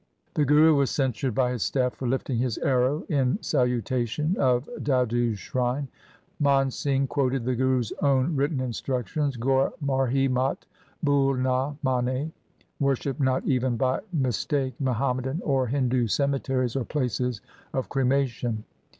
The Guru was censured by his staff for lifting his arrow in salutation of Dadu's shrine. Man Singh quoted the Guru's own written instructions, Got marhi mat bhul na mane — Worship not even by mistake Muhammadan or Hindu cemeteries or places of cremation.